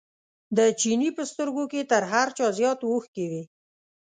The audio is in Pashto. د چیني په سترګو کې تر هر چا زیات اوښکې وې.